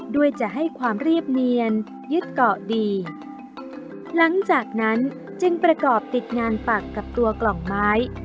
ด้วยจะให้ความเรียบเนียนยึดเกาะดีหลังจากนั้นจึงประกอบติดงานปักกับตัวกล่องไม้